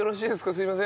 すいません。